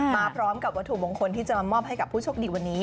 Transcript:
มาพร้อมกับวัตถุมงคลที่จะมามอบให้กับผู้โชคดีวันนี้